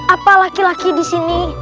apa laki laki disini